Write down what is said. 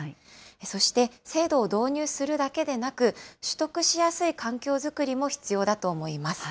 そして、制度を導入するだけでなく、取得しやすい環境作りも必要だと思います。